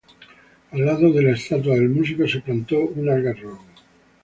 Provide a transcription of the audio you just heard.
Al lado de la estatua del músico se plantó un algarrobo.